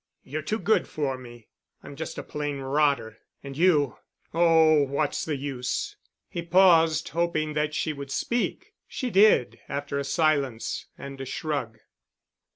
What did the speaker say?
You're too good for me. I'm just a plain rotter and you—oh, what's the use?" He paused, hoping that she would speak. She did, after a silence and a shrug.